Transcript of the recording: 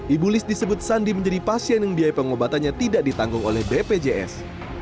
ibu liz disebut sandi menjadi pasien yang biaya pengobatannya tidak ditanggung oleh bpjs